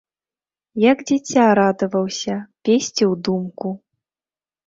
Як дзіця, радаваўся, песціў думку.